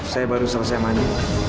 saya baru selesai mandi